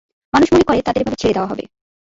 মানুষ মনে করে তাদের এভাবে ছেড়ে দেওয়া হবে।